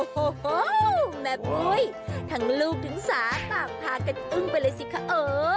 โอ้โหแม่ปุ้ยทั้งลูกทั้งสาต่างพากันอึ้งไปเลยสิคะเออ